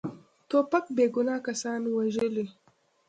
توپک بیګناه کسان وژلي.